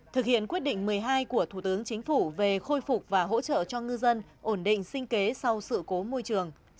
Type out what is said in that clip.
thực hiện quyết định một mươi hai của thủ tướng chính phủ về khôi phục và hỗ trợ cho ngư dân ổn định sinh kế sau sự cố môi trường